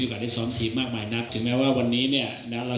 มีผลต่อแดนกลางแต่ก็จะหาวิธีปิดจุดอ่อนให้ได้ครับ